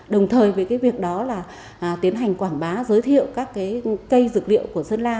đồng thời với việc đó là tiến hành quảng bá giới thiệu các cây dược liệu của sơn la